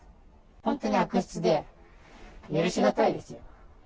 本当に悪質で、許し難いです。